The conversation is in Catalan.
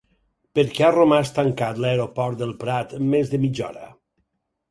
Per què ha romàs tancat l'aeroport del Prat més de mitja hora?